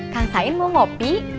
kang sain mau kopi